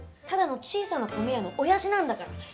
ただの小さな米屋のおやじなんだから。